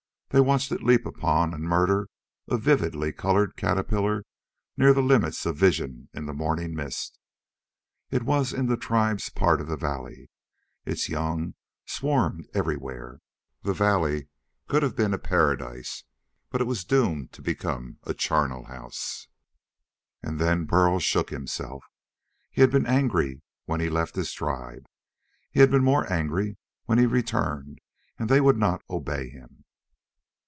They watched it leap upon and murder a vividly colored caterpillar near the limit of vision in the morning mist. It was in the tribe's part of the valley. Its young swarmed everywhere. The valley could have been a paradise, but it was doomed to become a charnel house. And then Burl shook himself. He had been angry when he left his tribe. He had been more angry when he returned and they would not obey him.